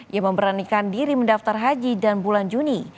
ia memberanikan diri mendaftar haji dan bulan juni